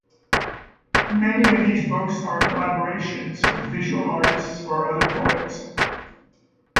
Many of these books are collaborations with visual artists or other poets.